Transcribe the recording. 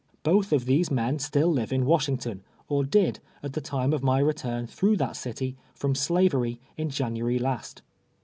Both of these men still live in Washington, or did, at the time of my return through that city from slavery in January last.